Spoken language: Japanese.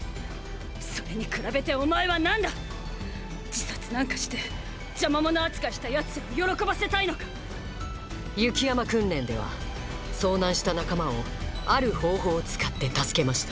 それに比べてお前は何だ⁉自殺なんかして邪魔者扱いした奴らを喜ばせたいのか⁉雪山訓練では遭難した仲間をある方法を使って助けました